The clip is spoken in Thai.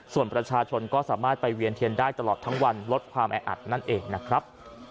ส่วนประชาชนก็สามารถไปเวียนเทียนได้ตลอดทั้งวันลดความแออัดนั่นเองนะครับ